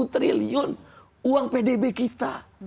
tiga belas triliun uang pdb kita